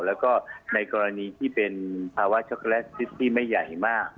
แล้วก็ในกรณีที่เป็นภาวะช็อกโกแลตชที่ไม่ใหญ่มาก